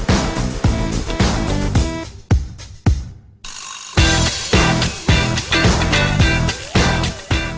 โปรดติดตามตอนต่อไป